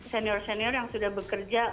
senior senior yang sudah bekerja